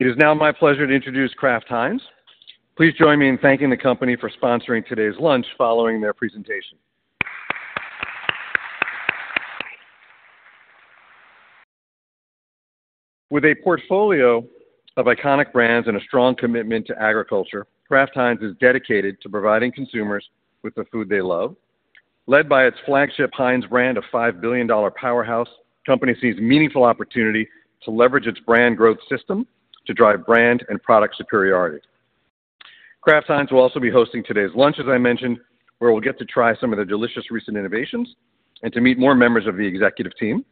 It is now my pleasure to introduce Kraft Heinz. Please join me in thanking the company for sponsoring today's lunch following their presentation. With a portfolio of iconic brands and a strong commitment to agriculture, Kraft Heinz is dedicated to providing consumers with the food they love. Led by its flagship Heinz brand of $5 billion powerhouse, the company sees meaningful opportunity to leverage its Brand Growth System to drive brand and product superiority. Kraft Heinz will also be hosting today's lunch, as I mentioned, where we'll get to try some of their delicious recent innovations and to meet more members of the executive team.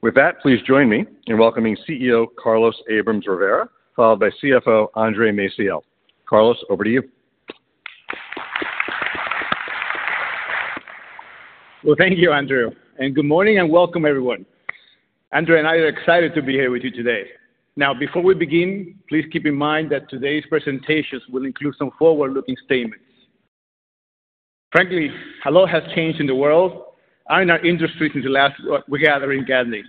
With that, please join me in welcoming CEO Carlos Abrams-Rivera, followed by CFO Andre Maciel. Carlos, over to you. Well, thank you, Andrew. And good morning and welcome, everyone. Andre and I are excited to be here with you today. Now, before we begin, please keep in mind that today's presentations will include some forward-looking statements. Frankly, a lot has changed in the world and our industry since we gathered in CAGNY.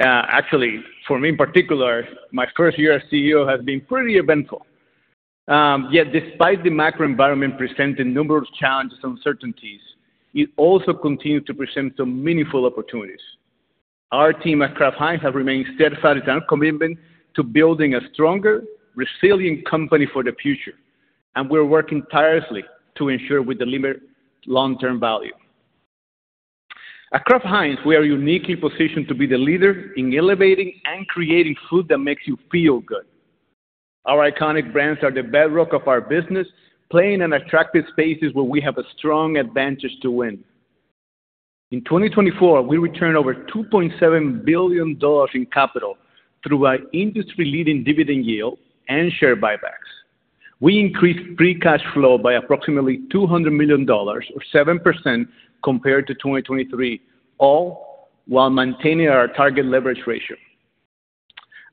Actually, for me in particular, my first year as CEO has been pretty eventful. Yet, despite the macro environment presenting numerous challenges and uncertainties, it also continues to present some meaningful opportunities. Our team at Kraft Heinz has remained steadfast in our commitment to building a stronger, resilient company for the future. And we're working tirelessly to ensure we deliver long-term value. At Kraft Heinz, we are uniquely positioned to be the leader in elevating and creating food that makes you feel good. Our iconic brands are the bedrock of our business, playing in attractive spaces where we have a strong advantage to win. In 2024, we returned over $2.7 billion in capital through our industry-leading dividend yield and share buybacks. We increased free cash flow by approximately $200 million, or 7%, compared to 2023, all while maintaining our target leverage ratio.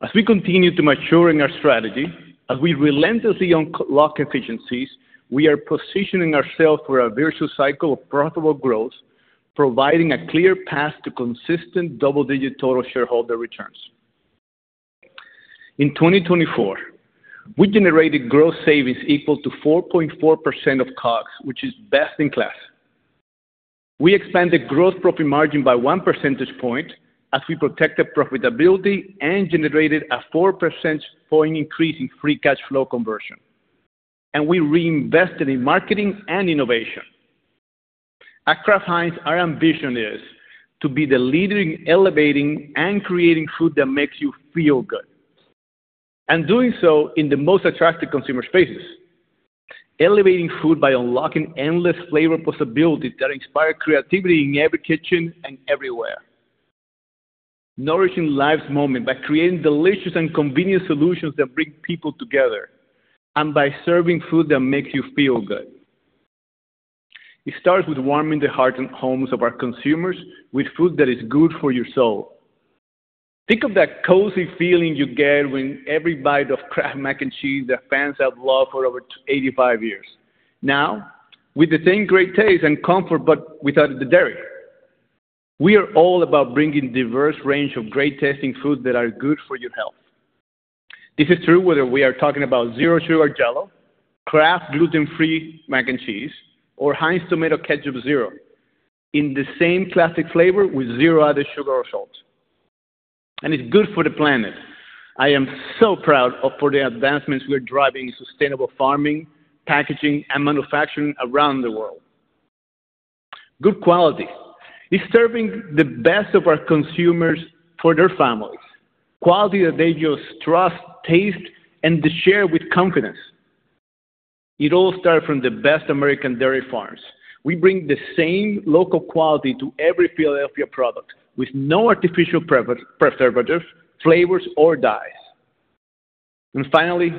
As we continue to mature in our strategy, as we relentlessly unlock efficiencies, we are positioning ourselves for a virtuous cycle of profitable growth, providing a clear path to consistent double-digit total shareholder returns. In 2024, we generated gross savings equal to 4.4% of COGS, which is best in class. We expanded gross profit margin by one percentage point as we protected profitability and generated a 4 percentage point increase in free cash flow conversion. We reinvested in marketing and innovation. At Kraft Heinz, our ambition is to be the leader in elevating and creating food that makes you feel good, and doing so in the most attractive consumer spaces. Elevating food by unlocking endless flavor possibilities that inspire creativity in every kitchen and everywhere. Nourishing life's moment by creating delicious and convenient solutions that bring people together and by serving food that makes you feel good. It starts with warming the hearts and homes of our consumers with food that is good for your soul. Think of that cozy feeling you get when every bite of Kraft Mac and Cheese that fans have loved for over 85 years. Now, with the same great taste and comfort, but without the dairy. We are all about bringing a diverse range of great tasting foods that are good for your health. This is true whether we are talking about Zero Sugar Jell-O, Kraft Gluten-Free Mac and Cheese, or Heinz Tomato Ketchup Zero. In the same classic flavor with zero added sugar or salt. It's good for the planet. I am so proud of the advancements we're driving in sustainable farming, packaging, and manufacturing around the world. Good quality. It's serving the best of our consumers for their families. Quality that they just trust, taste, and share with confidence. It all starts from the best American dairy farms. We bring the same local quality to every Philadelphia product with no artificial preservatives, flavors, or dyes. Finally,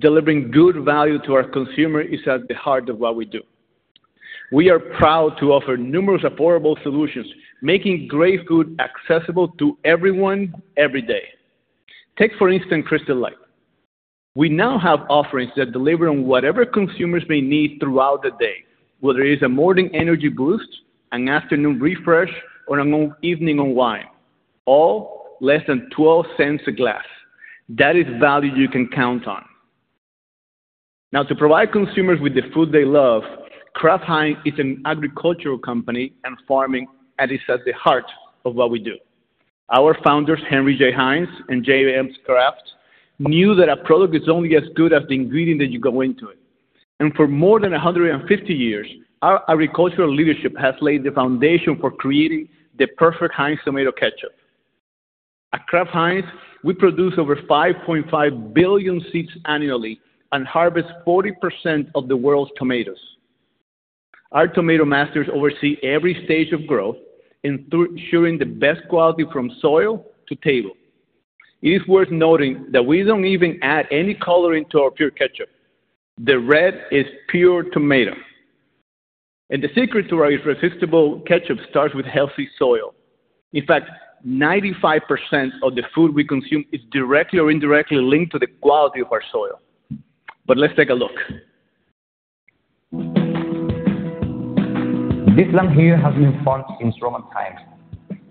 delivering good value to our consumer is at the heart of what we do. We are proud to offer numerous affordable solutions, making great food accessible to everyone every day. Take, for instance, Crystal Light. We now have offerings that deliver on whatever consumers may need throughout the day, whether it is a morning energy boost, an afternoon refresh, or an evening on wine, all less than $0.12 a glass. That is value you can count on. Now, to provide consumers with the food they love, Kraft Heinz is an agricultural company and farming that is at the heart of what we do. Our founders, Henry J. Heinz and J.L. Kraft, knew that a product is only as good as the ingredient that you go into it. And for more than 150 years, our agricultural leadership has laid the foundation for creating the perfect Heinz tomato ketchup. At Kraft Heinz, we produce over 5.5 billion seeds annually and harvest 40% of the world's tomatoes. Our tomato masters oversee every stage of growth, ensuring the best quality from soil to table. It is worth noting that we don't even add any coloring to our pure ketchup. The red is pure tomato. And the secret to our irresistible ketchup starts with healthy soil. In fact, 95% of the food we consume is directly or indirectly linked to the quality of our soil. But let's take a look. This land here has been farmed since Roman times.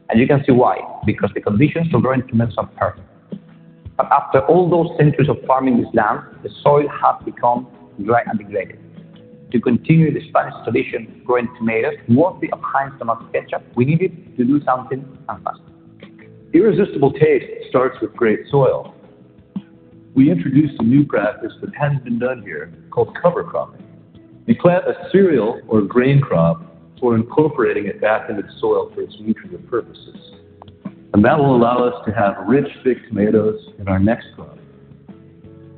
And you can see why, because the conditions for growing tomatoes are perfect. But after all those centuries of farming this land, the soil has become dry and degraded. To continue the Spanish tradition of growing tomatoes worthy of Heinz tomato ketchup, we needed to do something and fast. Irresistible taste starts with great soil. We introduced a new practice that hasn't been done here called cover cropping. We plant a cereal or grain crop for incorporating it back into the soil for its nutritive purposes. And that will allow us to have rich, big tomatoes in our next crop.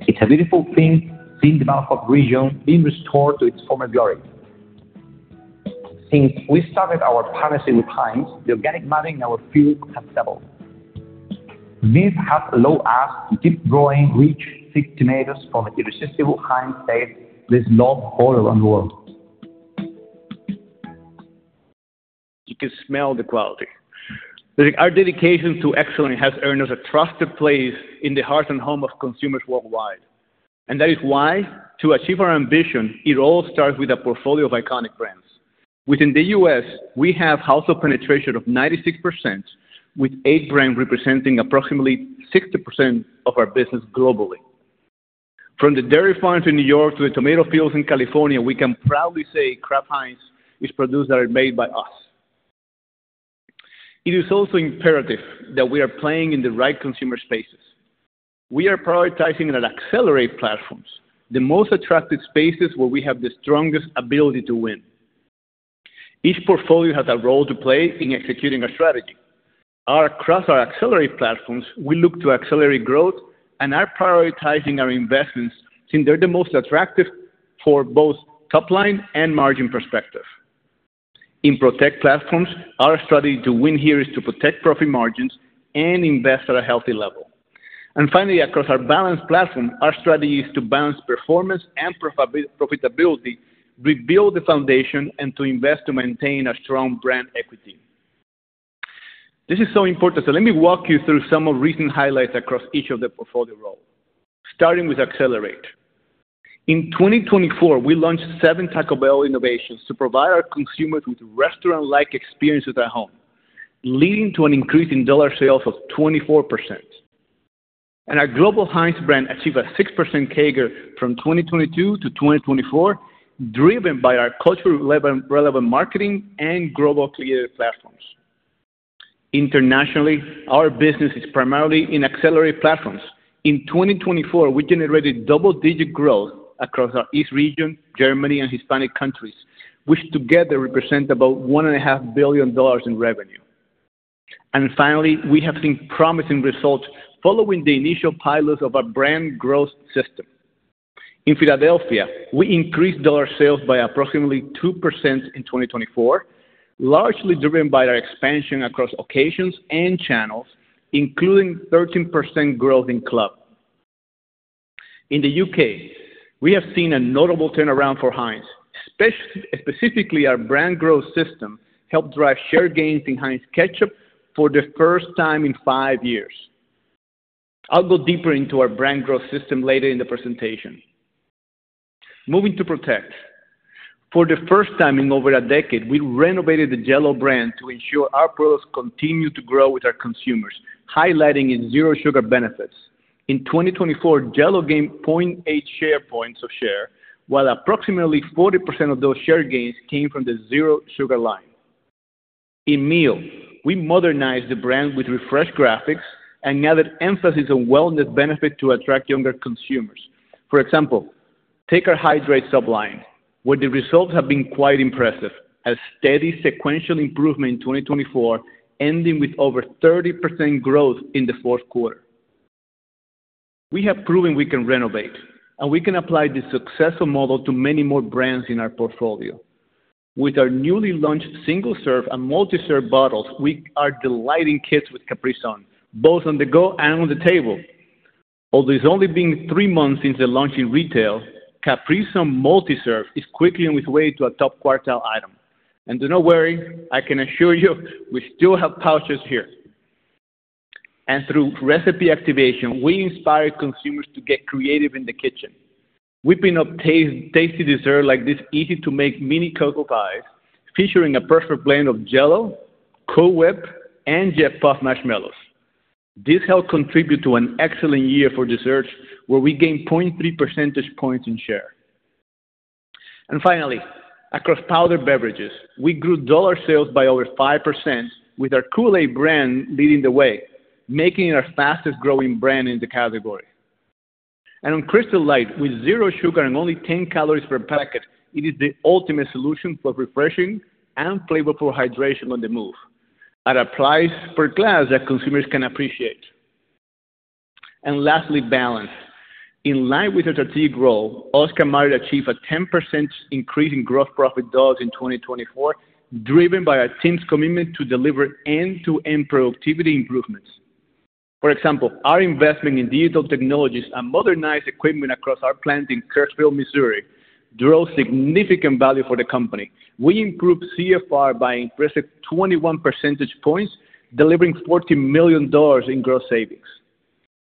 It's a beautiful thing seen in the Marismas region being restored to its former glory. Since we started our partnership with Heinz, the organic mapping in our field has doubled. This has allowed us to keep growing rich, thick tomatoes from an irresistible Heinz taste that is loved all around the world. You can smell the quality. Our dedication to excellence has earned us a trusted place in the hearts and homes of consumers worldwide. And that is why, to achieve our ambition, it all starts with a portfolio of iconic brands. Within the U.S., we have a household penetration of 96%, with eight brands representing approximately 60% of our business globally. From the dairy farms in New York to the tomato fields in California, we can proudly say Kraft Heinz is produced and made by us. It is also imperative that we are playing in the right consumer spaces. We are prioritizing our accelerate platforms, the most attractive spaces where we have the strongest ability to win. Each portfolio has a role to play in executing our strategy. Across our Accelerate platforms, we look to accelerate growth and are prioritizing our investments since they're the most attractive for both top-line and margin perspective. In Protect platforms, our strategy to win here is to protect profit margins and invest at a healthy level. And finally, across our Balance platform, our strategy is to balance performance and profitability, rebuild the foundation, and to invest to maintain a strong brand equity. This is so important. So let me walk you through some of the recent highlights across each of the portfolio roles, starting with Accelerate. In 2024, we launched seven Taco Bell innovations to provide our consumers with restaurant-like experiences at home, leading to an increase in dollar sales of 24%. And our global Heinz brand achieved a 6% CAGR from 2022 to 2024, driven by our culturally relevant marketing and global creative platforms. Internationally, our business is primarily in accelerate platforms. In 2024, we generated double-digit growth across our East region, Germany, and Hispanic countries, which together represent about $1.5 billion in revenue, and finally, we have seen promising results following the initial pilots of our brand growth system. In Philadelphia, we increased dollar sales by approximately 2% in 2024, largely driven by our expansion across occasions and channels, including 13% growth in club. In the U.K., we have seen a notable turnaround for Heinz, specifically our brand growth system helped drive share gains in Heinz ketchup for the first time in five years. I'll go deeper into our brand growth system later in the presentation. Moving to protect. For the first time in over a decade, we renovated the Jell-O brand to ensure our products continue to grow with our consumers, highlighting its zero sugar benefits. In 2024, Jell-O gained 0.8 share points of share, while approximately 40% of those share gains came from the zero sugar line. In Mio, we modernized the brand with refreshed graphics and added emphasis on wellness benefits to attract younger consumers. For example, take our Hydrate Subline, where the results have been quite impressive, a steady sequential improvement in 2024, ending with over 30% growth in the Q4. We have proven we can renovate, and we can apply this successful model to many more brands in our portfolio. With our newly launched single-serve and multi-serve bottles, we are delighting kids with Capri Sun, both on the go and on the table. Although it's only been three months since the launch in retail, Capri Sun multi-serve is quickly on its way to a top quartile item, and do not worry, I can assure you we still have pouches here. And through recipe activation, we inspire consumers to get creative in the kitchen. Whipping up tasty desserts like this easy-to-make mini cocoa pies, featuring a perfect blend of Jell-O, Cool Whip, and Jet-Puffed marshmallows. This helped contribute to an excellent year for desserts, where we gained 0.3 percentage points in share. And finally, across powder beverages, we grew dollar sales by over 5% with our Kool-Aid brand leading the way, making it our fastest-growing brand in the category. And on Crystal Light, with zero sugar and only 10 calories per packet, it is the ultimate solution for refreshing and flavorful hydration on the move at a price per glass that consumers can appreciate. And lastly, Balance. In line with our strategic role, Oscar Mayer achieved a 10% increase in gross profit dollars in 2024, driven by our team's commitment to deliver end-to-end productivity improvements. For example, our investment in digital technologies and modernized equipment across our plant in Kirksville, Missouri, drove significant value for the company. We improved CFR by an impressive 21 percentage points, delivering $40 million in gross savings.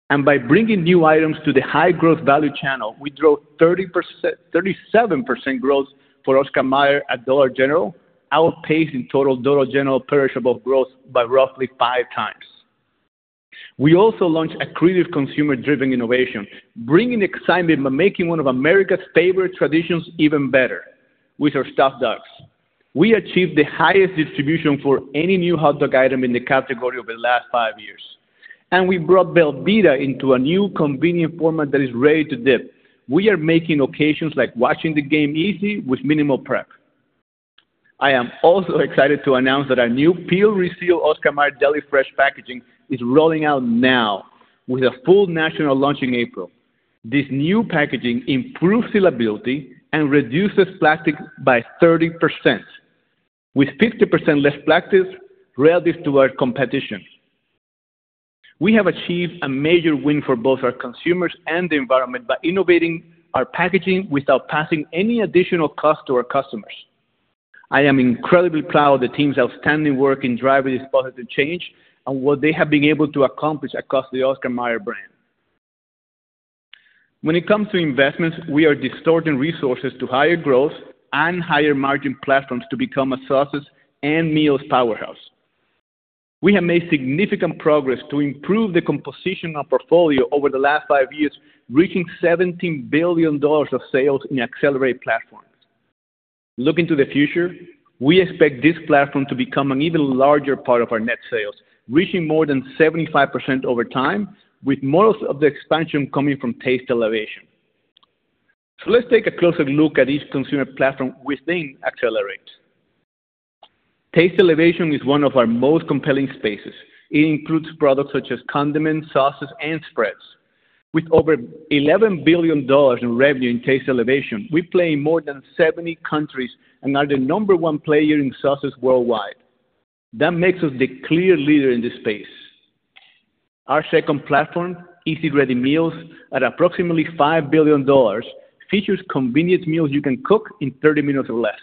And by bringing new items to the high gross value channel, we drove 37% growth for Oscar and Mario at Dollar General, outpacing total Dollar General perishable growth by roughly five times. We also launched a creative consumer-driven innovation, bringing excitement by making one of America's favorite traditions even better, with our stuffed dogs. We achieved the highest distribution for any new hot dog item in the category over the last five years. And we brought Belbeda into a new convenient format that is ready to dip. We are making occasions like watching the game easy with minimal prep. I am also excited to announce that our new peel-reseal Oscar Mayer Deli Fresh packaging is rolling out now with a full national launch in April. This new packaging improves sealability and reduces plastic by 30%, with 50% less plastic relative to our competition. We have achieved a major win for both our consumers and the environment by innovating our packaging without passing any additional cost to our customers. I am incredibly proud of the team's outstanding work in driving this positive change and what they have been able to accomplish across the Oscar Mayer brand. When it comes to investments, we are distorting resources to higher growth and higher margin platforms to become a sauces and meals powerhouse. We have made significant progress to improve the composition of our portfolio over the last five years, reaching $17 billion of sales in Accelerate platforms. Looking to the future, we expect this platform to become an even larger part of our net sales, reaching more than 75% over time, with most of the expansion coming from Taste Elevation. Let's take a closer look at each consumer platform within Accelerate. Taste Elevation is one of our most compelling spaces. It includes products such as condiments, sauces, and spreads. With over $11 billion in revenue in Taste Elevation, we play in more than 70 countries and are the number one player in sauces worldwide. That makes us the clear leader in this space. Our second platform, Easy Ready Meals, at approximately $5 billion, features convenient meals you can cook in 30 minutes or less.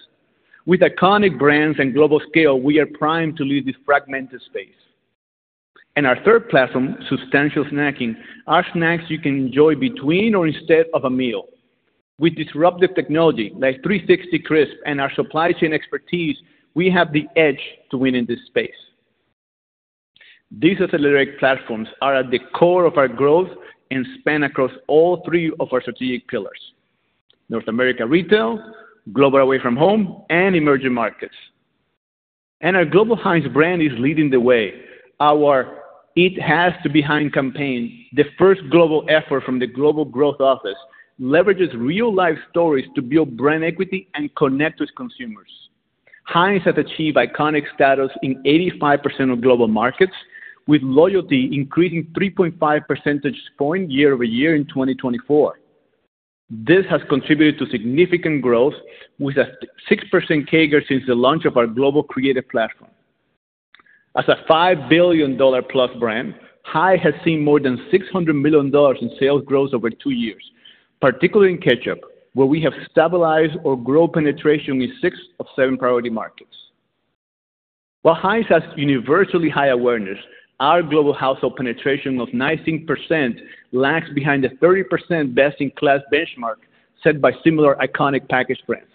With iconic brands and global scale, we are primed to lead this fragmented space. Our third platform, Substantial Snacking, are snacks you can enjoy between or instead of a meal. With disruptive technology like 360CRISP and our supply chain expertise, we have the edge to win in this space. These accelerate platforms are at the core of our growth and span across all three of our strategic pillars: North America retail, global away from home, and emerging markets, and our global Heinz brand is leading the way. Our "It Has to Be Heinz" campaign, the first global effort from the global growth office, leverages real-life stories to build brand equity and connect with consumers. Heinz has achieved iconic status in 85% of global markets, with loyalty increasing 3.5 percentage points year over year in 2024. This has contributed to significant growth with a 6% CAGR since the launch of our global creative platform. As a $5 billion plus brand, Heinz has seen more than $600 million in sales growth over two years, particularly in ketchup, where we have stabilized our growth penetration in six of seven priority markets. While Heinz has universally high awareness, our global household penetration of 19% lags behind the 30% best-in-class benchmark set by similar iconic package brands.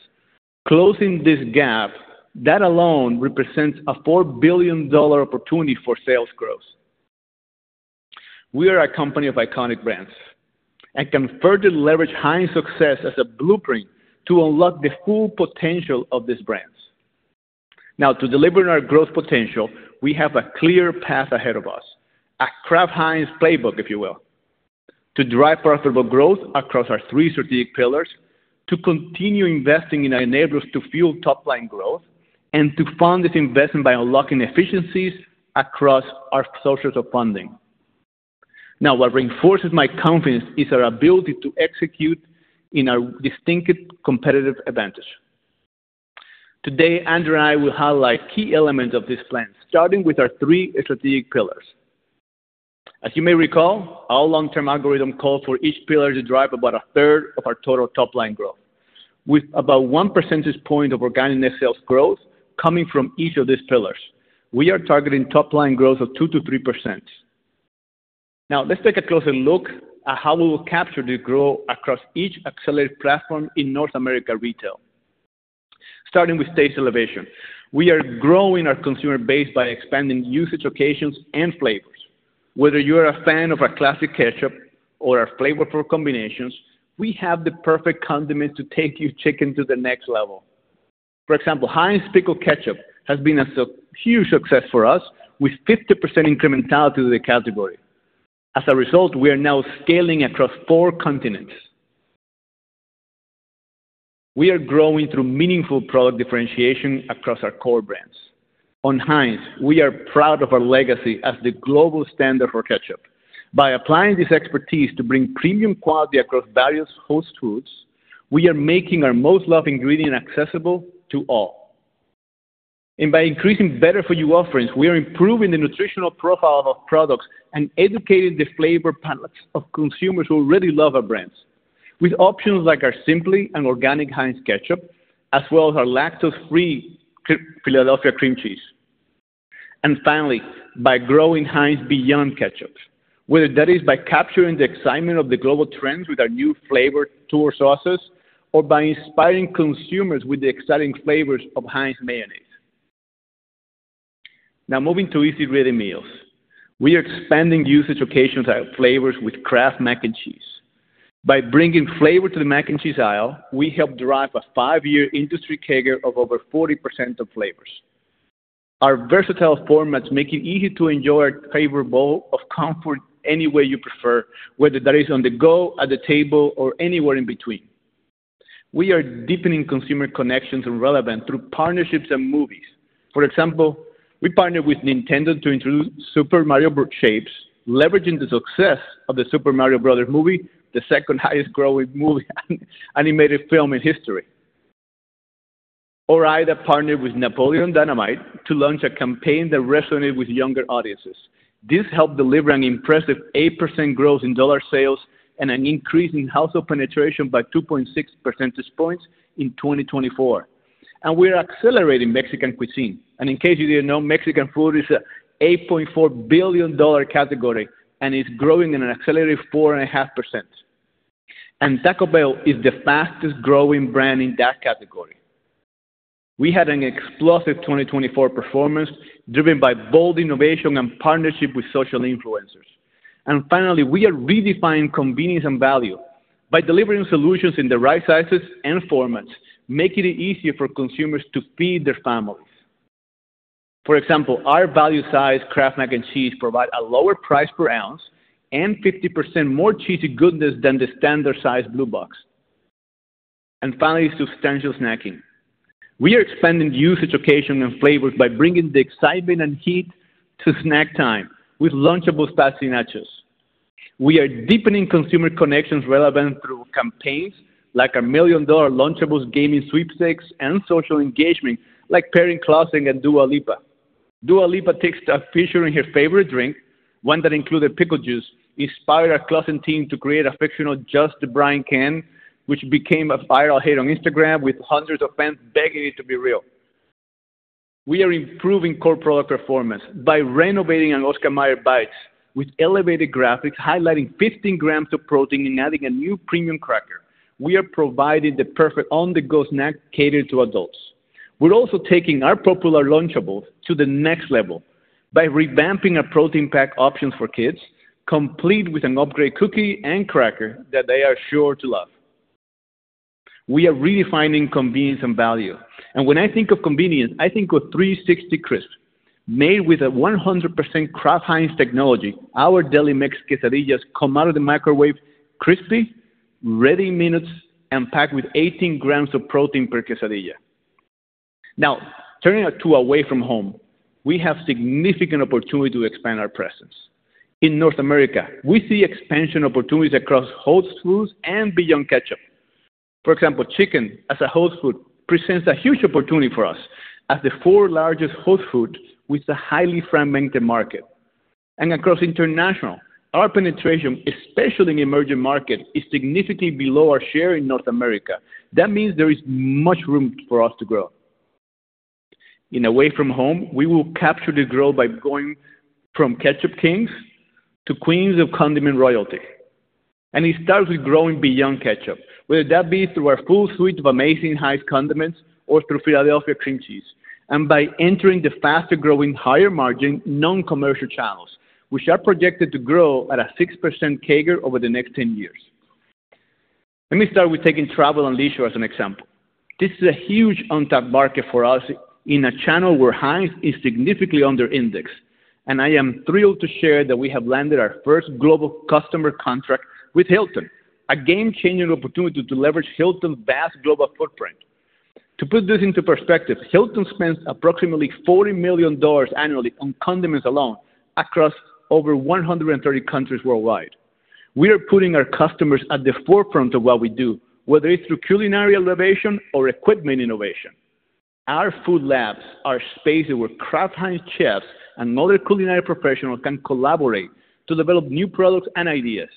Closing this gap, that alone represents a $4 billion opportunity for sales growth. We are a company of iconic brands and can further leverage Heinz's success as a blueprint to unlock the full potential of these brands. Now, to deliver on our growth potential, we have a clear path ahead of us, a Kraft Heinz playbook, if you will, to drive profitable growth across our three strategic pillars, to continue investing in our enablers to fuel top-line growth, and to fund this investment by unlocking efficiencies across our sources of funding. Now, what reinforces my confidence is our ability to execute in our distinctive competitive advantage. Today, Andrew and I will highlight key elements of this plan, starting with our three strategic pillars. As you may recall, our long-term algorithm calls for each pillar to drive about a third of our total top-line growth. With about 1 percentage point of organic net sales growth coming from each of these pillars, we are targeting top-line growth of 2%-3%. Now, let's take a closer look at how we will capture the growth across each Accelerate platform in North America retail. Starting with Taste Elevation, we are growing our consumer base by expanding usage occasions and flavors. Whether you are a fan of our classic ketchup or our flavorful combinations, we have the perfect condiments to take your chicken to the next level. For example, Heinz Pickle Ketchup has been a huge success for us, with 50% incrementality to the category. As a result, we are now scaling across four continents. We are growing through meaningful product differentiation across our core brands. On Heinz, we are proud of our legacy as the global standard for ketchup. By applying this expertise to bring premium quality across various host foods, we are making our most loved ingredient accessible to all, and by increasing better-for-you offerings, we are improving the nutritional profile of our products and educating the flavor palates of consumers who already love our brands, with options like our Simply and Organic Heinz ketchup, as well as our lactose-free Philadelphia cream cheese. Finally, by growing Heinz beyond ketchup, whether that is by capturing the excitement of the global trends with our new flavored Thai sauces or by inspiring consumers with the exciting flavors of Heinz mayonnaise. Now, moving to Easy Ready Meals, we are expanding usage occasions of our flavors with Kraft Mac and Cheese. By bringing flavor to the Mac and Cheese aisle, we help drive a five-year industry CAGR of over 40% of flavors. Our versatile formats make it easy to enjoy our favorite bowl of comfort any way you prefer, whether that is on the go, at the table, or anywhere in between. We are deepening consumer connections and relevance through partnerships and movies. For example, we partnered with Nintendo to introduce Super Mario Bros. shapes, leveraging the success of the Super Mario Bros. movie, the second highest-grossing animated film in history. Ore-Ida partnered with Napoleon Dynamite to launch a campaign that resonated with younger audiences. This helped deliver an impressive 8% growth in dollar sales and an increase in household penetration by 2.6 percentage points in 2024. And we are accelerating Mexican cuisine. And in case you didn't know, Mexican food is an $8.4 billion category and is growing at an accelerated 4.5%. And Taco Bell is the fastest-growing brand in that category. We had an explosive 2024 performance driven by bold innovation and partnership with social influencers. And finally, we are redefining convenience and value by delivering solutions in the right sizes and formats, making it easier for consumers to feed their families. For example, our value-sized Kraft Mac and Cheese provides a lower price per ounce and 50% more cheesy goodness than the standard-sized blue box. And finally, Substantial Snacking. We are expanding usage occasion and flavors by bringing the excitement and heat to snack time with Lunchables Pastry Nachos. We are deepening consumer connections relevant through campaigns like our $1 million Lunchables gaming sweepstakes and social engagement like pairing Claussen and Dua Lipa. Dua Lipa takes a feature in her favorite drink, one that included pickle juice, inspired our Claussen team to create a fictional Just Brine, which became a viral hit on Instagram with hundreds of fans begging it to be real. We are improving core product performance by renovating our Oscar Mayer bites with elevated graphics highlighting 15 Grams of protein and adding a new premium cracker. We are providing the perfect on-the-go snack catered to adults. We're also taking our popular Lunchables to the next level by revamping our protein pack options for kids, complete with an upgrade cookie and cracker that they are sure to love. We are redefining convenience and value. And when I think of convenience, I think of 360CRISP. Made with a 100% Kraft Heinz technology, our Delimex quesadillas come out of the microwave crispy, ready in minutes, and packed with 18 Grams of protein per quesadilla. Now, turning to away from home, we have significant opportunity to expand our presence. In North America, we see expansion opportunities across host foods and beyond ketchup. For example, chicken, as a host food, presents a huge opportunity for us as the fourth largest host food with a highly fragmented market. And across international, our penetration, especially in emerging markets, is significantly below our share in North America. That means there is much room for us to grow. In Away from Home, we will capture the growth by going from ketchup kings to queens of condiment royalty, and it starts with growing beyond ketchup, whether that be through our full suite of amazing Heinz condiments or through Philadelphia cream cheese, and by entering the faster-growing, higher-margin non-commercial channels, which are projected to grow at a 6% CAGR over the next 10 years. Let me start with taking travel and leisure as an example. This is a huge untapped market for us in a channel where Heinz is significantly underindexed, and I am thrilled to share that we have landed our first global customer contract with Hilton, a game-changing opportunity to leverage Hilton's vast global footprint. To put this into perspective, Hilton spends approximately $40 million annually on condiments alone across over 130 countries worldwide. We are putting our customers at the forefront of what we do, whether it's through culinary innovation or equipment innovation. Our food labs are spaces where Kraft Heinz chefs and other culinary professionals can collaborate to develop new products and ideas.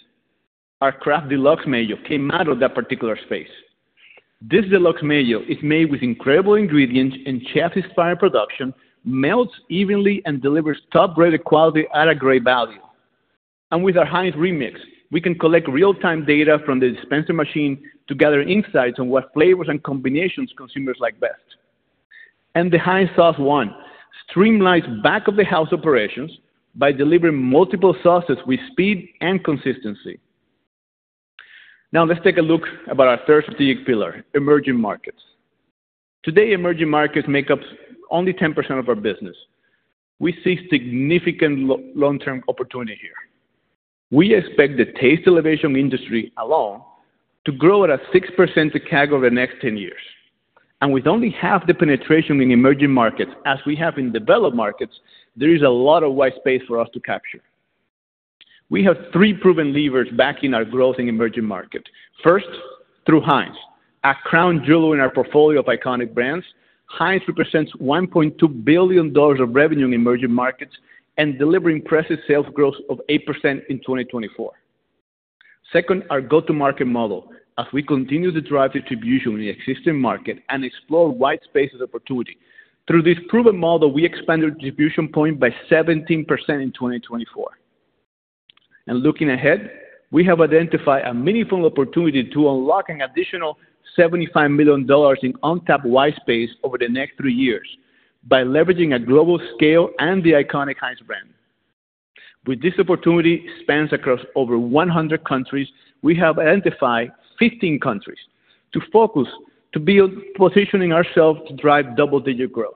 Our Kraft Deluxe Mayo came out of that particular space. This Deluxe Mayo is made with incredible ingredients and chef-inspired production, melts evenly, and delivers top-grade quality at a great value. And with our Heinz Remix, we can collect real-time data from the dispenser machine to gather insights on what flavors and combinations consumers like best. And the Heinz Sauce One streamlines back-of-the-house operations by delivering multiple sauces with speed and consistency. Now, let's take a look at our third strategic pillar, emerging markets. Today, emerging markets make up only 10% of our business. We see significant long-term opportunity here. We expect the taste elevation industry alone to grow at a 6% CAGR over the next 10 years, and with only half the penetration in emerging markets as we have in developed markets, there is a lot of white space for us to capture. We have three proven levers backing our growth in emerging markets. First, through Heinz, our crown jewel in our portfolio of iconic brands. Heinz represents $1.2 billion of revenue in emerging markets and delivered impressive sales growth of 8% in 2024. Second, our go-to-market model, as we continue to drive distribution in the existing market and explore white space opportunity. Through this proven model, we expanded distribution points by 17% in 2024, and looking ahead, we have identified a meaningful opportunity to unlock an additional $75 million in untapped white space over the next three years by leveraging a global scale and the iconic Heinz brand. With this opportunity spanning across over 100 countries, we have identified 15 countries to focus to position ourselves to drive double-digit growth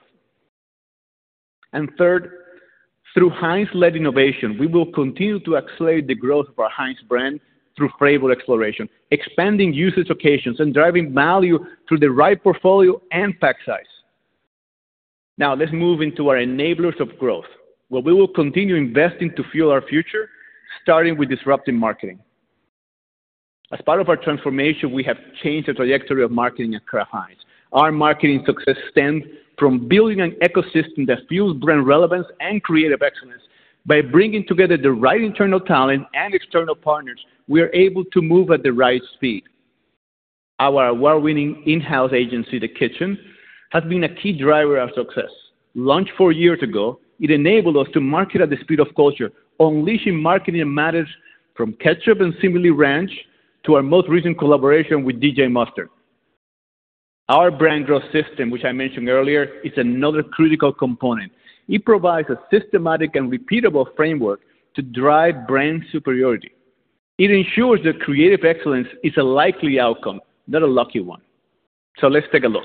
and third, through Heinz-led innovation, we will continue to accelerate the growth of our Heinz brand through flavor exploration, expanding usage occasions and driving value through the right portfolio and pack size. Now, let's move into our enablers of growth, where we will continue investing to fuel our future, starting with disruptive marketing. As part of our transformation, we have changed the trajectory of marketing at Kraft Heinz. Our marketing success stems from building an ecosystem that fuels brand relevance and creative excellence. By bringing together the right internal talent and external partners, we are able to move at the right speed. Our award-winning in-house agency, The Kitchen, has been a key driver of success. Launched four years ago, it enabled us to market at the speed of culture, unleashing marketing that matters from ketchup and Simply Ranch to our most recent collaboration with DJ Mustard. Our Brand Growth System, which I mentioned earlier, is another critical component. It provides a systematic and repeatable framework to drive brand superiority. It ensures that creative excellence is a likely outcome, not a lucky one. So let's take a look.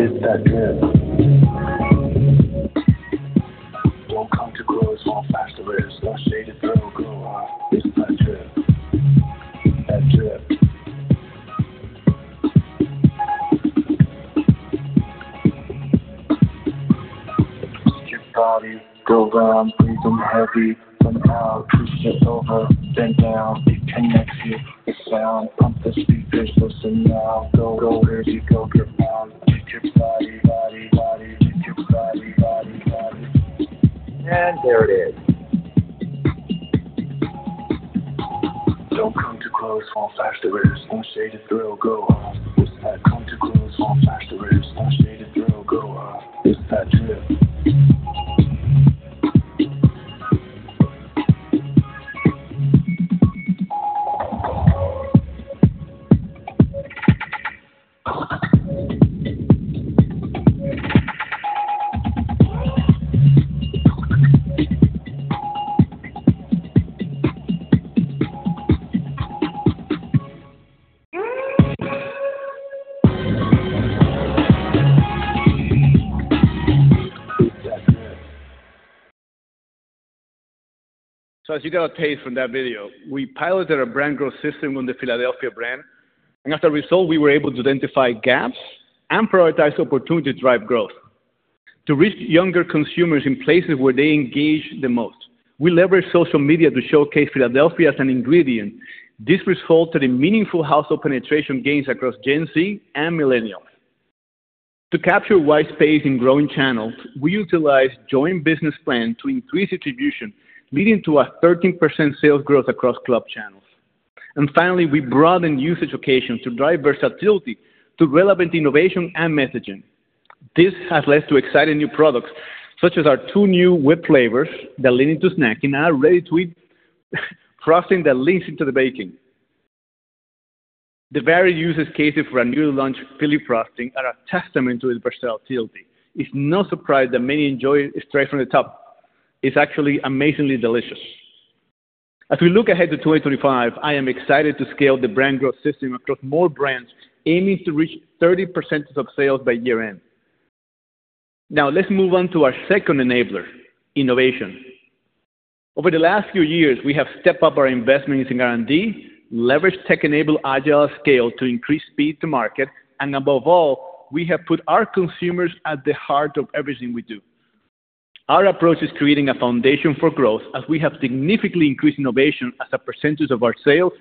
It's that drip. Don't come too close, it's all gas, no brakes. Don't shade the throne, girl. It's that drip. That drip. Get your body. Go round. Breathe on the heavy. Come out. Twist it over. Bend down. It connects you. The sound. Pump the speakers. Listen now. Go, go, crazy. Go, get round. Get your body, body, body. Get your body, body, body. And there it is. Don't come too close, it's all gas, no brakes. Don't shade the throat. Go up. It's that. Come to grow as long past the ribs. Don't shade the throat. Go up. It's that drip. It's that drip. So as you got a taste from that video, we piloted our Brand Growth System on the Philadelphia brand. And as a result, we were able to identify gaps and prioritize opportunity to drive growth to reach younger consumers in places where they engage the most. We leveraged social media to showcase Philadelphia as an ingredient. This resulted in meaningful household penetration gains across Gen Z and millennials. To capture white space in growing channels, we utilized joint business plans to increase distribution, leading to a 13% sales growth across club channels. And finally, we broadened usage occasion to drive versatility to relevant innovation and messaging. This has led to exciting new products, such as our two new whipped flavors that lead into snacking and our ready-to-eat frosting that leans into the baking. The varied use cases for our newly launched Philly frosting are a testament to its versatility. It's no surprise that many enjoy it straight from the top. It's actually amazingly delicious. As we look ahead to 2025, I am excited to scale the brand growth system across more brands aiming to reach 30% of sales by year-end. Now, let's move on to our second enabler, innovation. Over the last few years, we have stepped up our investments in R&D, leveraged tech-enabled agile scale to increase speed to market, and above all, we have put our consumers at the heart of everything we do. Our approach is creating a foundation for growth as we have significantly increased innovation as a percentage of our sales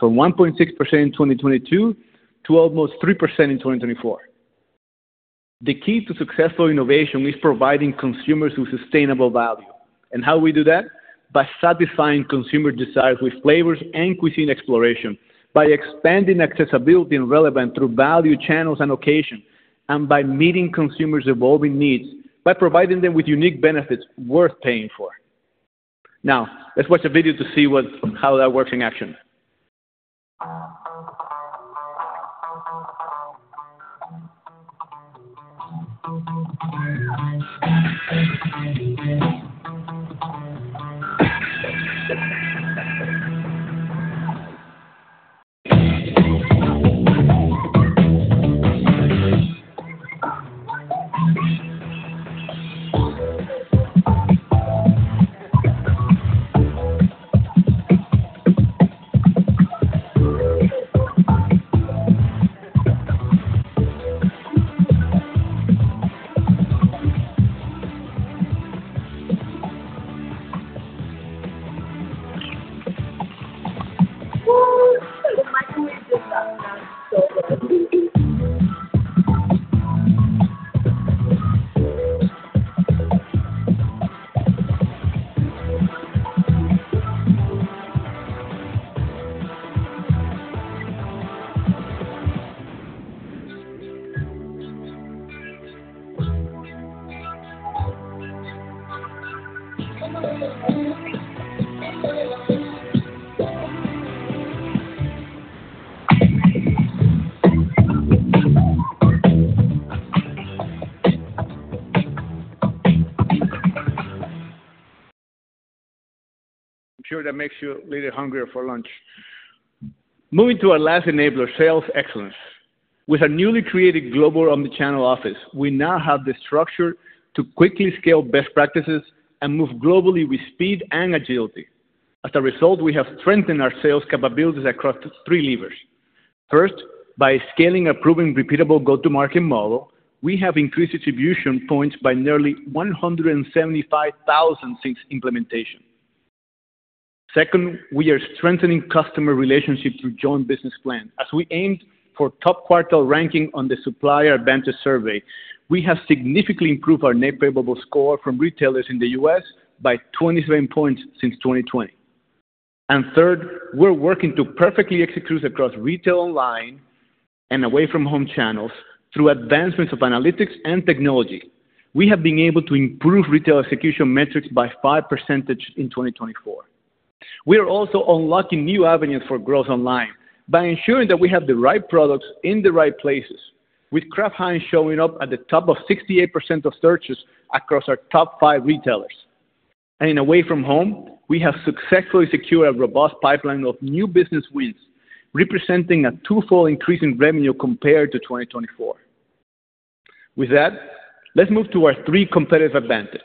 from 1.6% in 2022 to almost 3% in 2024. The key to successful innovation is providing consumers with sustainable value, and how we do that? By satisfying consumer desires with flavors and cuisine exploration, by expanding accessibility and relevance through value channels and occasion, and by meeting consumers' evolving needs, by providing them with unique benefits worth paying for. Now, let's watch a video to see how that works in action. I'm sure that makes you a little hungrier for lunch. Moving to our last enabler, sales excellence. With our newly created global omnichannel office, we now have the structure to quickly scale best practices and move globally with speed and agility. As a result, we have strengthened our sales capabilities across three levers. First, by scaling our proving repeatable go-to-market model, we have increased distribution points by nearly 175,000 since implementation. Second, we are strengthening customer relationships through joint business plans. As we aimed for top quartile ranking on the Supplier Advantage Survey, we have significantly improved our net payable score from retailers in the US by 27 points since 2020, and third, we're working to perfectly execute across retail online and away-from-home channels through advancements of analytics and technology. We have been able to improve retail execution metrics by 5% in 2024. We are also unlocking new avenues for growth online by ensuring that we have the right products in the right places, with Kraft Heinz showing up at the top of 68% of searches across our top five retailers. In Away from Home, we have successfully secured a robust pipeline of new business wins, representing a twofold increase in revenue compared to 2024. With that, let's move to our three competitive advantages,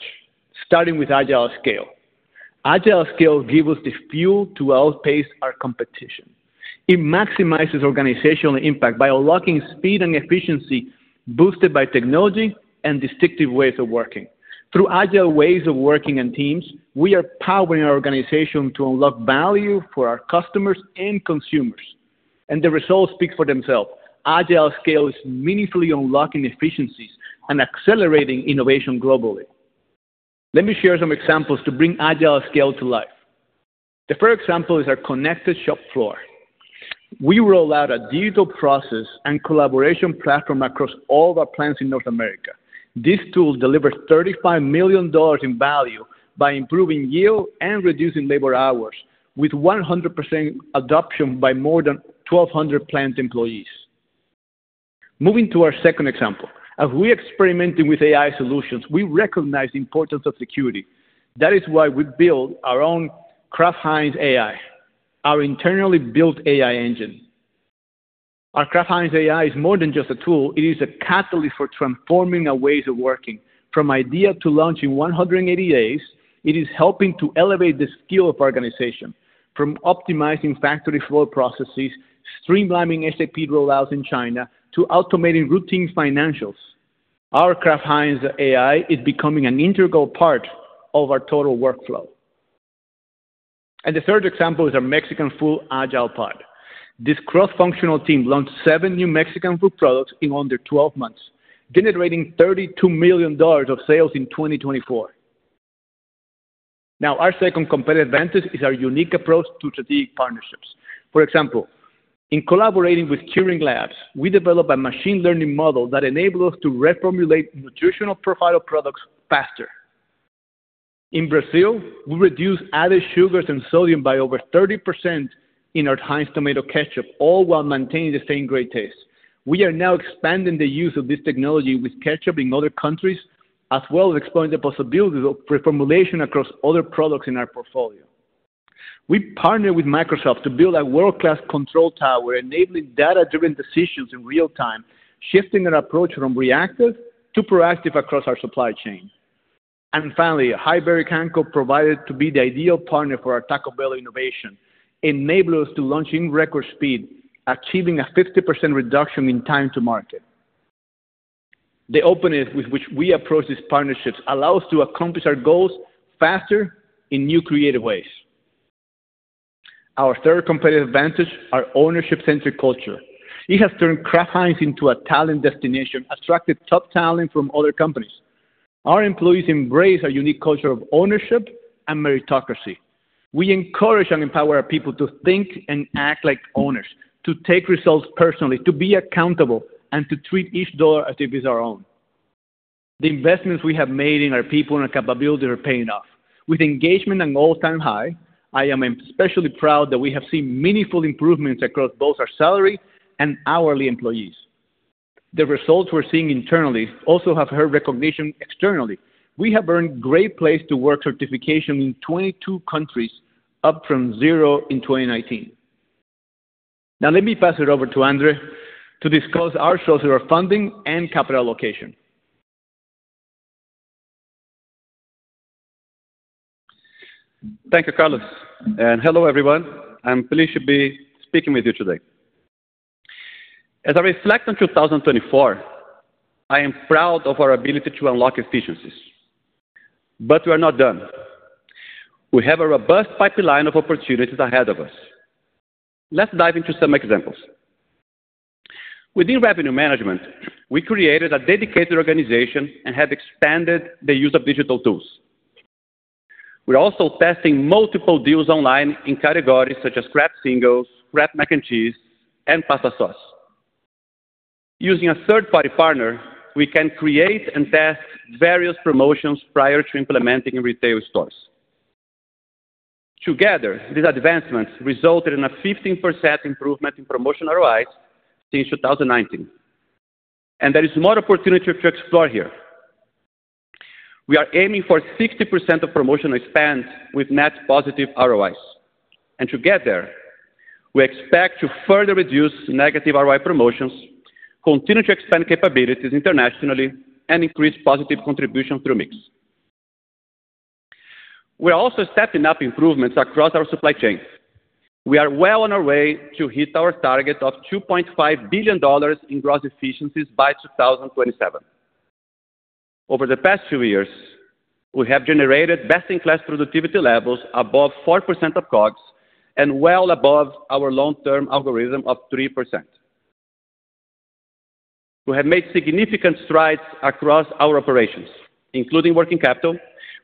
starting with Agile Scale. Agile Scale gives us the fuel to outpace our competition. It maximizes organizational impact by unlocking speed and efficiency boosted by technology and distinctive ways of working. Through agile ways of working and teams, we are powering our organization to unlock value for our customers and consumers. The results speak for themselves. Agile Scale is meaningfully unlocking efficiencies and accelerating innovation globally. Let me share some examples to bring Agile Scale to life. The first example is our connected shop floor. We roll out a digital process and collaboration platform across all of our plants in North America. This tool delivers $35 million in value by improving yield and reducing labor hours, with 100% adoption by more than 1,200 plant employees. Moving to our second example. As we are experimenting with AI solutions, we recognize the importance of security. That is why we built our own Kraft Heinz AI, our internally built AI engine. Our Kraft Heinz AI is more than just a tool. It is a catalyst for transforming our ways of working. From idea to launch in 180 days, it is helping to elevate the skill of our organization, from optimizing factory flow processes, streamlining SAP rollouts in China, to automating routine financials. Our Kraft Heinz AI is becoming an integral part of our total workflow, and the third example is our Mexican Food Agile Pod. This cross-functional team launched seven new Mexican food products in under 12 months, generating $32 million of sales in 2024. Now, our second competitive advantage is our unique approach to strategic partnerships. For example, in collaborating with Turing Labs, we developed a machine learning model that enables us to reformulate nutritional profile products faster. In Brazil, we reduced added sugars and sodium by over 30% in our Heinz tomato ketchup, all while maintaining the same great taste. We are now expanding the use of this technology with ketchup in other countries, as well as exploring the possibilities of reformulation across other products in our portfolio. We partnered with Microsoft to build a world-class control tower, enabling data-driven decisions in real time, shifting our approach from reactive to proactive across our supply chain, and finally, Highbury Canco proved to be the ideal partner for our Taco Bell innovation, enabling us to launch in record speed, achieving a 50% reduction in time to market. The openness with which we approach these partnerships allows us to accomplish our goals faster in new creative ways. Our third competitive advantage is our ownership-centric culture. It has turned Kraft Heinz into a talent destination, attracting top talent from other companies. Our employees embrace our unique culture of ownership and meritocracy. We encourage and empower our people to think and act like owners, to take results personally, to be accountable, and to treat each dollar as if it's our own. The investments we have made in our people and our capabilities are paying off. With engagement at an all-time high, I am especially proud that we have seen meaningful improvements across both our salary and hourly employees. The results we're seeing internally also have earned recognition externally. We have earned Great Place to Work certification in 22 countries, up from zero in 2019. Now, let me pass it over to Andre to discuss our sources of our funding and capital allocation. Thank you, Carlos. Hello, everyone. I'm pleased to be speaking with you today. As I reflect on 2024, I am proud of our ability to unlock efficiencies. We are not done. We have a robust pipeline of opportunities ahead of us. Let's dive into some examples. Within revenue management, we created a dedicated organization and have expanded the use of digital tools. We're also testing multiple deals online in categories such as Kraft Singles, Kraft Mac and Cheese, and pasta sauce. Using a third-party partner, we can create and test various promotions prior to implementing in retail stores. Together, these advancements resulted in a 15% improvement in promotion ROIs since 2019. There is more opportunity to explore here. We are aiming for 60% of promotional spend with net positive ROIs. And to get there, we expect to further reduce negative ROI promotions, continue to expand capabilities internationally, and increase positive contributions through mix. We're also stepping up improvements across our supply chain. We are well on our way to hit our target of $2.5 billion in gross efficiencies by 2027. Over the past few years, we have generated best-in-class productivity levels above 4% of COGS and well above our long-term algorithm of 3%. We have made significant strides across our operations, including working capital,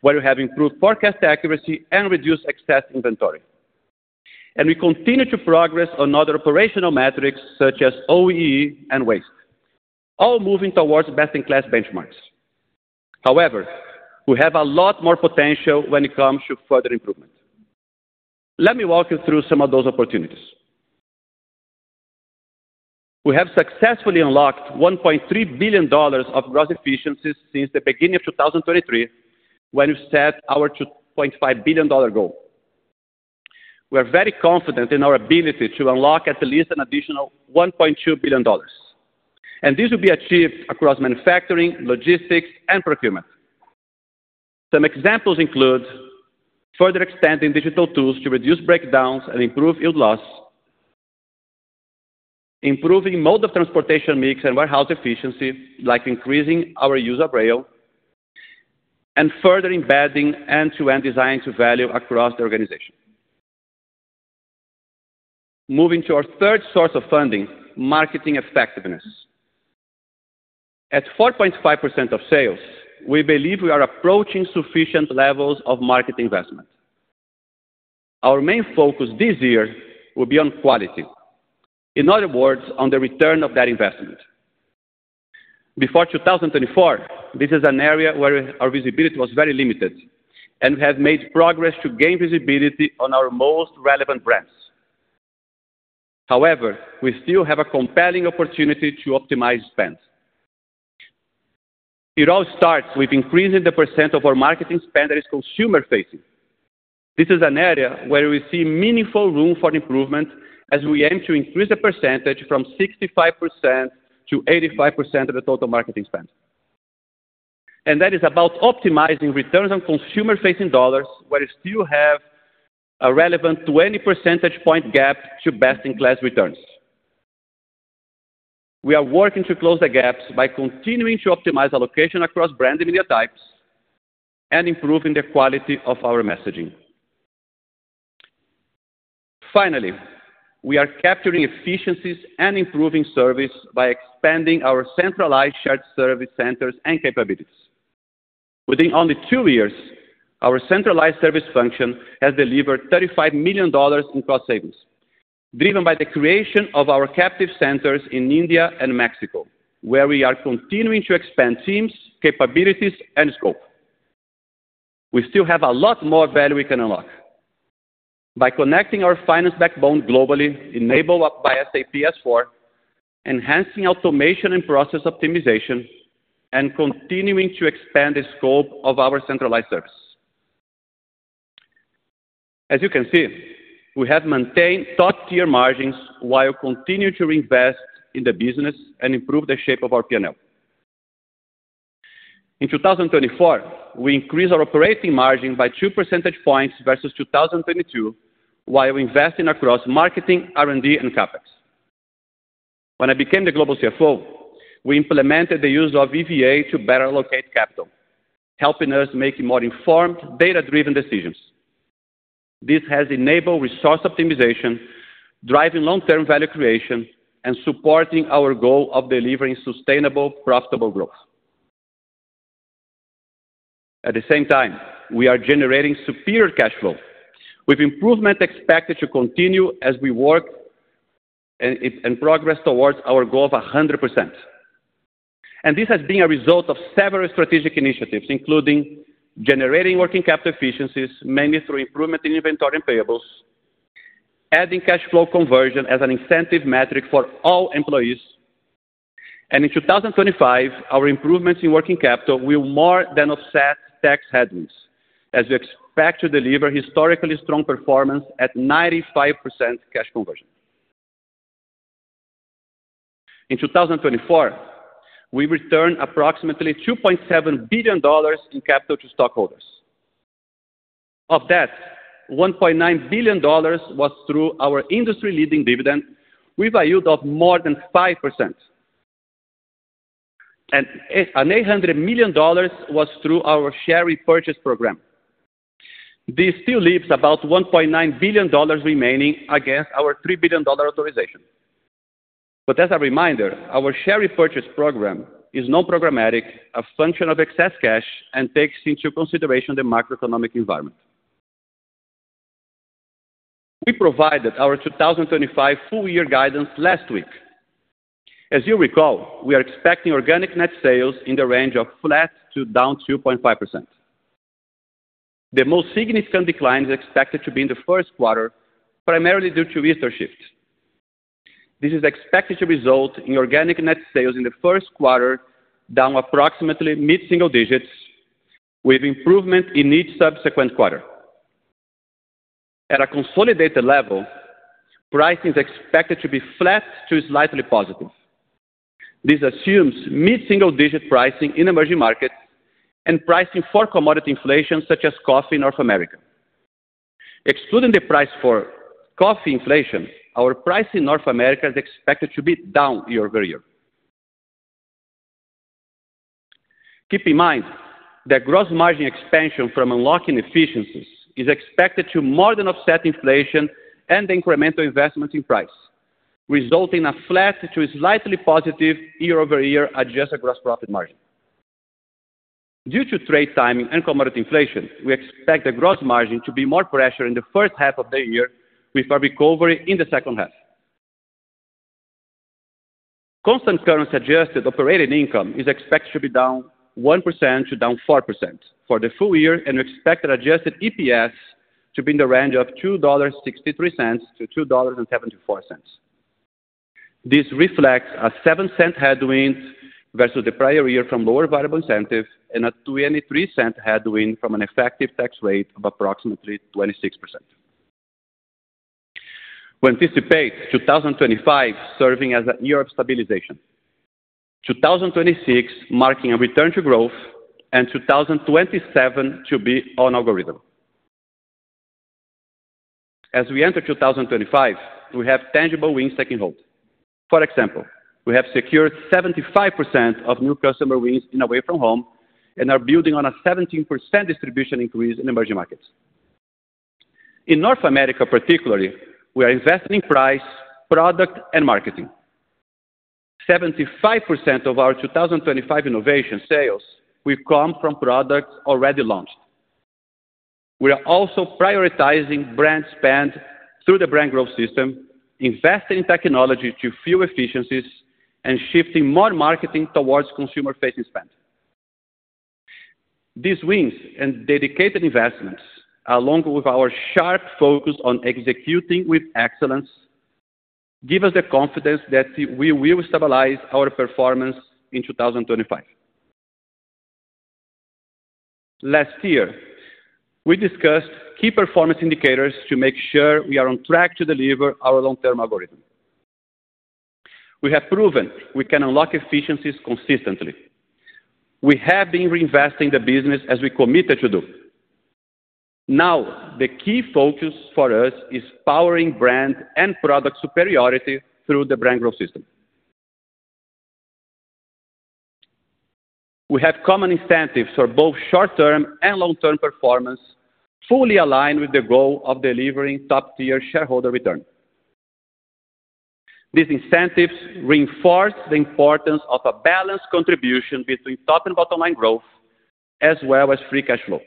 where we have improved forecast accuracy and reduced excess inventory. And we continue to progress on other operational metrics such as OEE and Waste, all moving towards best-in-class benchmarks. However, we have a lot more potential when it comes to further improvement. Let me walk you through some of those opportunities. We have successfully unlocked $1.3 billion of gross efficiencies since the beginning of 2023, when we set our $2.5 billion goal. We are very confident in our ability to unlock at least an additional $1.2 billion. And this will be achieved across manufacturing, logistics, and procurement. Some examples include further extending digital tools to reduce breakdowns and improve yield loss, improving mode of transportation mix and warehouse efficiency, like increasing our use of rail, and further embedding end-to-end design to value across the organization. Moving to our third source of funding, marketing effectiveness. At 4.5% of sales, we believe we are approaching sufficient levels of market investment. Our main focus this year will be on quality. In other words, on the return of that investment. Before 2024, this is an area where our visibility was very limited, and we have made progress to gain visibility on our most relevant brands. However, we still have a compelling opportunity to optimize spend. It all starts with increasing the percent of our marketing spend that is consumer-facing. This is an area where we see meaningful room for improvement as we aim to increase the percentage from 65% to 85% of the total marketing spend. And that is about optimizing returns on consumer-facing dollars where we still have a relevant to any percentage point gap to best-in-class returns. We are working to close the gaps by continuing to optimize allocation across brand and media types and improving the quality of our messaging. Finally, we are capturing efficiencies and improving service by expanding our centralized shared service centers and capabilities. Within only two years, our centralized service function has delivered $35 million in cross-savings, driven by the creation of our captive centers in India and Mexico, where we are continuing to expand teams, capabilities, and scope. We still have a lot more value we can unlock by connecting our finance backbone globally, enabled by SAP S/4, enhancing automation and process optimization, and continuing to expand the scope of our centralized service. As you can see, we have maintained top-tier margins while continuing to reinvest in the business and improve the shape of our P&L. In 2024, we increased our operating margin by two percentage points versus 2022 while investing across marketing, R&D, and CapEx. When I became the global CFO, we implemented the use of EVA to better allocate capital, helping us make more informed, data-driven decisions. This has enabled resource optimization, driving long-term value creation and supporting our goal of delivering sustainable, profitable growth. At the same time, we are generating superior cash flow, with improvement expected to continue as we work and progress towards our goal of 100%. This has been a result of several strategic initiatives, including generating working capital efficiencies, mainly through improvement in inventory and payables, adding cash flow conversion as an incentive metric for all employees. In 2025, our improvements in working capital will more than offset tax headwinds as we expect to deliver historically strong performance at 95% cash conversion. In 2024, we returned approximately $2.7 billion in capital to stockholders. Of that, $1.9 billion was through our industry-leading dividend, with a yield of more than 5%. And $800 million was through our share repurchase program. This still leaves about $1.9 billion remaining against our $3 billion authorization. But as a reminder, our share repurchase program is non-programmatic, a function of excess cash, and takes into consideration the macroeconomic environment. We provided our 2025 full-year guidance last week. As you recall, we are expecting organic net sales in the range of flat to down 2.5%. The most significant decline is expected to be in the Q1, primarily due to Easter shift. This is expected to result in organic net sales in the Q1 down approximately mid-single digits, with improvement in each subsequent quarter. At a consolidated level, pricing is expected to be flat to slightly positive. This assumes mid-single digit pricing in emerging markets and pricing for commodity inflation, such as coffee in North America. Excluding the price for coffee inflation, our pricing in North America is expected to be down year over year. Keep in mind that gross margin expansion from unlocking efficiencies is expected to more than offset inflation and incremental investment in price, resulting in a flat to slightly positive year-over-year adjusted gross profit margin. Due to trade timing and commodity inflation, we expect the gross margin to be more pressured in the H1 of the year, with a recovery in the H2. Constant currency adjusted operating income is expected to be down 1% to down 4% for the full year, and we expect the adjusted EPS to be in the range of $2.63 to $2.74. This reflects a $0.07 headwind versus the prior year from lower variable incentive and a $0.23 headwind from an effective tax rate of approximately 26%. We anticipate 2025 serving as a year of stabilization, 2026 marking a return to growth, and 2027 to be on our rhythm. As we enter 2025, we have tangible wins taking hold. For example, we have secured 75% of new customer wins in away from home and are building on a 17% distribution increase in emerging markets. In North America, particularly, we are investing in price, product, and marketing. 75% of our 2025 innovation sales will come from products already launched. We are also prioritizing brand spend through the brand growth system, investing in technology to fuel efficiencies, and shifting more marketing towards consumer-facing spend. These wins and dedicated investments, along with our sharp focus on executing with excellence, give us the confidence that we will stabilize our performance in 2025. Last year, we discussed key performance indicators to make sure we are on track to deliver our long-term algorithm. We have proven we can unlock efficiencies consistently. We have been reinvesting the business as we committed to do. Now, the key focus for us is powering brand and product superiority through the brand growth system. We have common incentives for both short-term and long-term performance, fully aligned with the goal of delivering top-tier shareholder return. These incentives reinforce the importance of a balanced contribution between top and bottom-line growth, as well as free cash flow.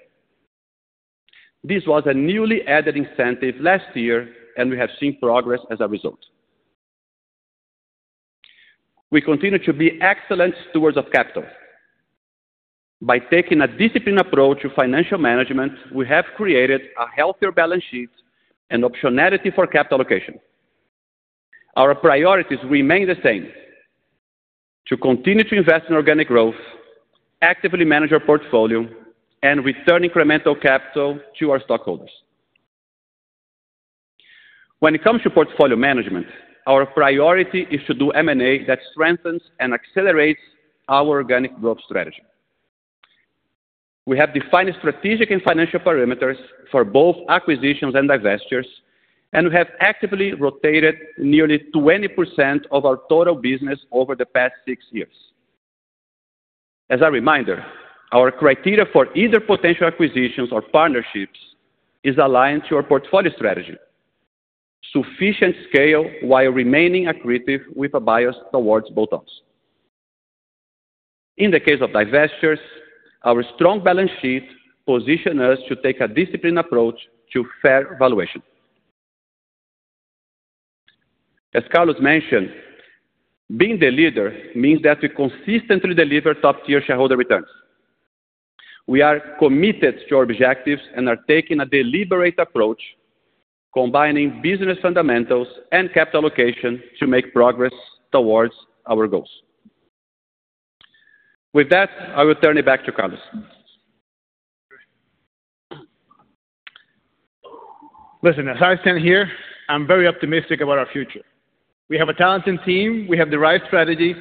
This was a newly added incentive last year, and we have seen progress as a result. We continue to be excellent stewards of capital. By taking a disciplined approach to financial management, we have created a healthier balance sheet and optionality for capital allocation. Our priorities remain the same: to continue to invest in organic growth, actively manage our portfolio, and return incremental capital to our stockholders. When it comes to portfolio management, our priority is to do M&A that strengthens and accelerates our organic growth strategy. We have defined strategic and financial parameters for both acquisitions and divestures, and we have actively rotated nearly 20% of our total business over the past six years. As a reminder, our criteria for either potential acquisitions or partnerships is aligned to our portfolio strategy: sufficient scale while remaining accretive with a bias towards both options. In the case of divestitures, our strong balance sheet positions us to take a disciplined approach to fair valuation. As Carlos mentioned, being the leader means that we consistently deliver top-tier shareholder returns. We are committed to our objectives and are taking a deliberate approach, combining business fundamentals and capital allocation to make progress towards our goals. With that, I will turn it back to Carlos. Listen, as I stand here, I'm very optimistic about our future. We have a talented team, we have the right strategy,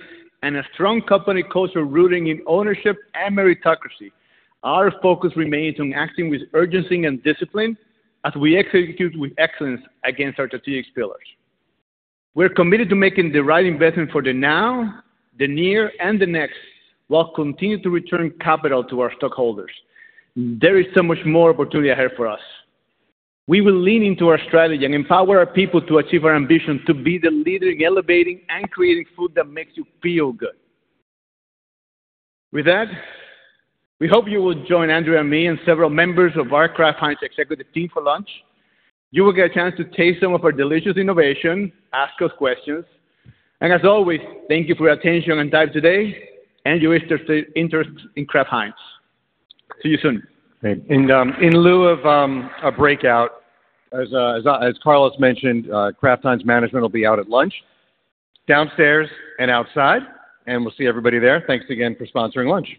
and a strong company culture rooted in ownership and meritocracy. Our focus remains on acting with urgency and discipline as we execute with excellence against our strategic pillars. We're committed to making the right investment for the now, the near, and the next while continuing to return capital to our stockholders. There is so much more opportunity ahead for us. We will lean into our strategy and empower our people to achieve our ambition to be the leader in elevating and creating food that makes you feel good. With that, we hope you will join Andrew and me and several members of our Kraft Heinz executive team for lunch. You will get a chance to taste some of our delicious innovation, ask us questions, and as always, thank you for your attention and time today. And your interest in Kraft Heinz. See you soon. Great. And in lieu of a breakout, as Carlos mentioned, Kraft Heinz management will be out at lunch, downstairs and outside, and we'll see everybody there. Thanks again for sponsoring lunch.